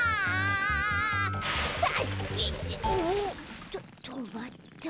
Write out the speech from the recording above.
たすけておっとまった。